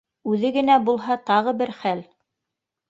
— Үҙе генә булһа, тағы бер хәл